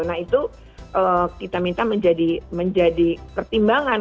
nah itu kita minta menjadi pertimbangan